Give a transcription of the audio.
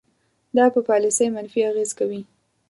دا په پالیسۍ منفي اغیز کوي.